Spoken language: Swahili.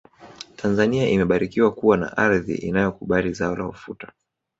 tanzania imebarikiwa kuwa na ardhi inayokubali zao la ufuta